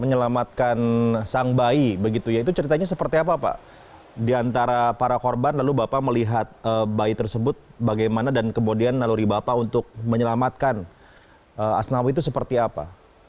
menyelamatkan sang bayi begitu ya itu ceritanya seperti apa pak diantara para korban lalu bapak melihat bayi tersebut bagaimana dan kemudian naluri bapak untuk menyelamatkan asnawi itu seperti apa